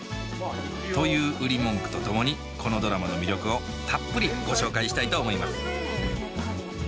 という売り文句とともにこのドラマの魅力をたっぷりご紹介したいと思います